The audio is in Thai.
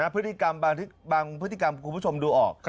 พฤติกรรมบางพฤติกรรมคุณผู้ชมดูออก